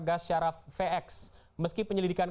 gas syaraf vx meski penyelidikan